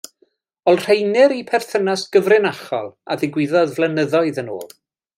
Olrheinir eu perthynas gyfrinachol a ddigwyddodd flynyddoedd yn ôl.